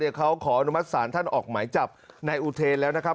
เดี๋ยวเขาขออนุมัติศาลท่านออกไหมจับในอุเทรแล้วนะครับ